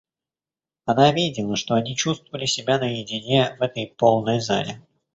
Она видела, что они чувствовали себя наедине в этой полной зале.